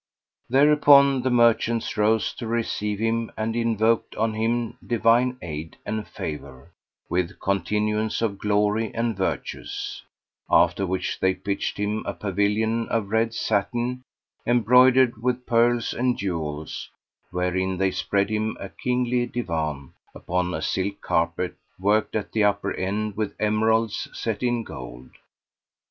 Thereupon the merchants rose to receive him and invoked on him Divine aid and favour with continuance of glory and virtues; after which they pitched him a pavilion of red satin, embroidered with pearls and jewels, wherein they spread him a kingly divan upon a silken carpet worked at the upper end with emeralds set in gold.